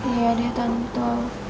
iya deh tante